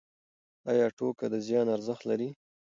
ایا ټوکه د زیان ارزښت لري؟